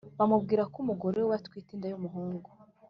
Bamubwira ko umugore we atwite inda y'umuhungu